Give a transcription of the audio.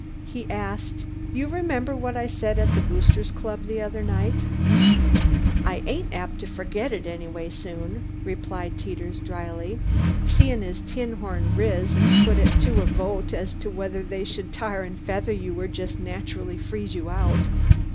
He asked: "You remember what I said at the Boosters' Club the other night?" "I ain't apt to fergit it anyways soon," replied Teeters, dryly, "seein' as 'Tinhorn' riz and put it to a vote as to whether they should tar and feather you or jest naturally freeze you out."